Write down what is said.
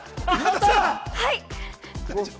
はい！